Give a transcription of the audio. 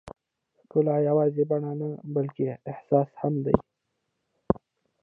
ښکلا یوازې بڼه نه، بلکې احساس هم دی.